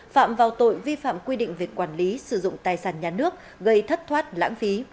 phạm vào tội vi phạm quy định về quản lý sử dụng tài sản nhà nước gây thất thoát lãng phí